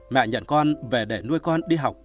mẹ nhận con về để nuôi con đi học